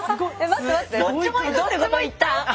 どっちもいった？